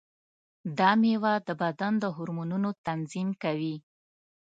دا مېوه د بدن د هورمونونو تنظیم کوي.